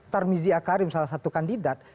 tarmizi akarim salah satu kandidat